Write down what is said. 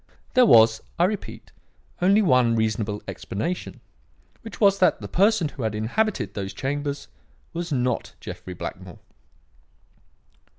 There was, I repeat, only one reasonable explanation; which was that the person who had inhabited those chambers was not Jeffrey Blackmore.